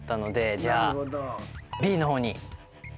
じゃあＢの方に。